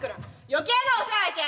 余計なお世話やけん！